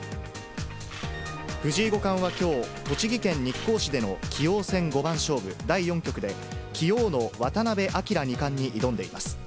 藤井五冠はきょう、栃木県日光市での棋王戦五番勝負第４局で、棋王の渡辺明二冠に挑んでいます。